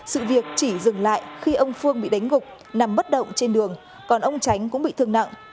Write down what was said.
sự việc chỉ dừng lại khi ông phương bị đánh gục nằm bất động trên đường còn ông tránh cũng bị thương nặng